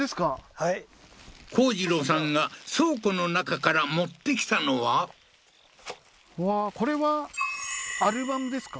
はい幸次郎さんが倉庫の中から持ってきたのはうわーこれはアルバムですか？